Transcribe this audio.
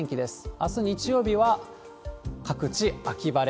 あす日曜日は、各地秋晴れ。